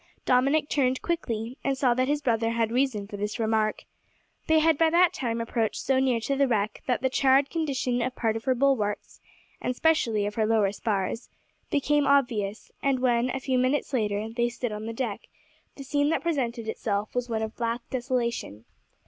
Dominick turned quickly, and saw that his brother had reason for this remark. They had by that time approached so near to the wreck that the charred condition of part of her bulwarks, and specially of her lower spars, became obvious; and when, a few minutes later, they stood on the deck, the scene that presented itself was one of black desolation.